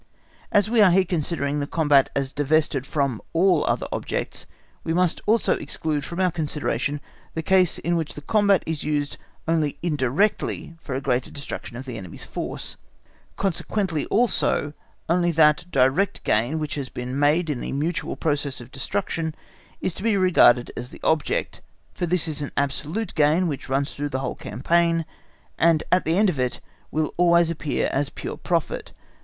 As we are here considering the combat as divested of all (other) objects, we must also exclude from our consideration the case in which the combat is used only indirectly for a greater destruction of the enemy's force; consequently also, only that direct gain which has been made in the mutual process of destruction, is to be regarded as the object, for this is an absolute gain, which runs through the whole campaign, and at the end of it will always appear as pure profit.